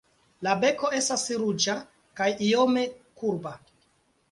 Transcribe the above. La beko estas ruĝa kaj iome kurba.